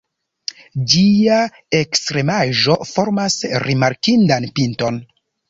Ĝia ekstremaĵo formas rimarkindan pinton.